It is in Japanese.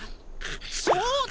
そうだ！